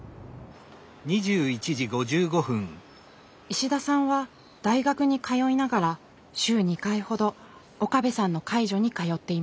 石田さんは大学に通いながら週２回ほど岡部さんの介助に通っています。